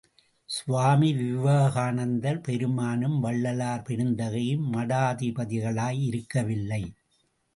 சுவாமி விவேகானந்தர் பெருமானும், வள்ளலார் பெருந்தகையும் மடாதிபதிகளாய் இருக்கவில்லை!